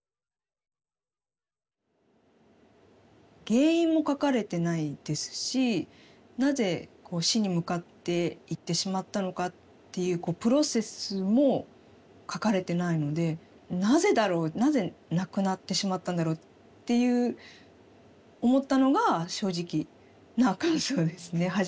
原因も書かれてないですしなぜ死に向かっていってしまったのかっていうプロセスも書かれてないのでなぜだろうなぜ亡くなってしまったんだろうっていう思ったのが正直な感想ですね。